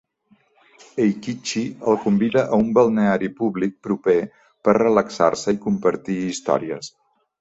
Eikichi el convida a un balneari públic proper per relaxar-se i compartir històries.